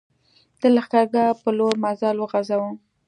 د لښکرګاه پر لور مزل وغځاوه.